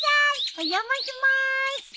お邪魔しまーす。